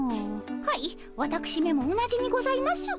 はいわたくしめも同じにございます。